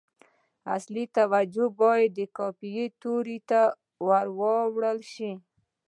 اصلي توجه باید د قافیې تورو ته واړول شي.